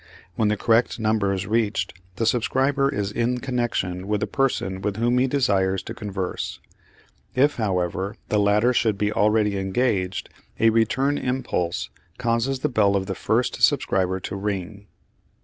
When the correct number is reached the subscriber is in connection with the person with whom he desires to converse. If, however, the latter should be already engaged, a return impulse causes the bell of the first subscriber to ring.